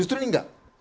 justru ini enggak